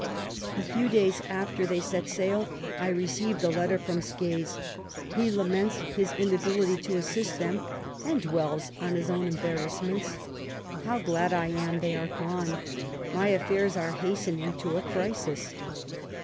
A few days after they set saU, I received a letter from Skeys. He laments his inability to assist them, and dwells on his own embarrassments. How glad I am they are gone I My affairs are hastening to a crisis.